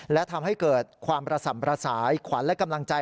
และทำให้เกิดความประส่ำประสายขวัญและกำลังใจ